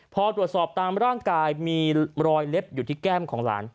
พอตรวจสอบตามร่างกายมีรอยเล็บอยู่ที่แก้มของหลาน